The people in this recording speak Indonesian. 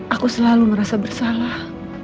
aku selalu merasa bersalah